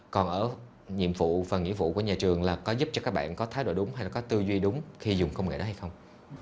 còn ở nhiệm vụ phần nghĩa vụ của nhà trường là có giúp cho các bạn có thái độ đúng hay là có tư duy đúng khi dùng công nghệ đó hay không